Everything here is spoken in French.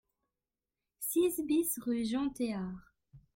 six BIS rue Jean Théard